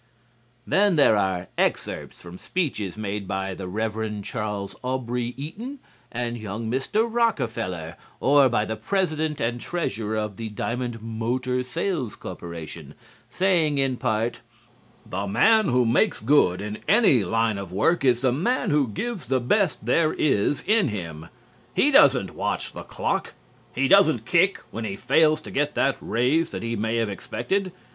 Then there are excerpts from speeches made by the Rev. Charles Aubrey Eaton and young Mr. Rockefeller or by the President and Treasurer of the Diamond Motor Sales Corporation, saying, in part: "The man who makes good in any line of work is the man who gives the best there is in him. He doesn't watch the clock. He doesn't kick when he fails to get that raise that he may have expected.